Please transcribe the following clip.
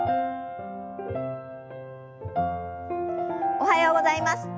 おはようございます。